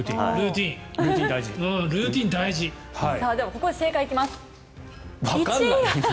ここで正解に行きます。